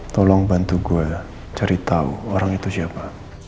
tolong bantu gue cerita orang itu siapa